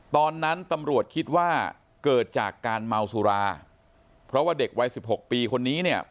ตอนนั้นตำรวจคิดว่าเกิดจากการเมาสุราเพราะว่าเด็กวัยสิบหกปีคนนี้เนี่ย